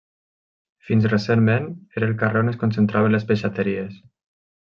Fins recentment, era el carrer on es concentraven les peixateries.